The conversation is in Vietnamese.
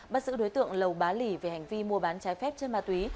bắt giữ đối tượng lầu bá lì về hành vi mua bán trái phép trên ma túy